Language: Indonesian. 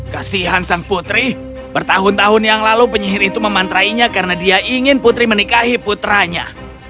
kasihan sang putri bertahun tahun yang lalu penyihir itu memantrainya karena dia ingin putri menikahi putranya